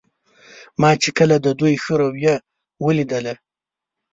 ما چې کله د دوی ښه رویه ولیدله.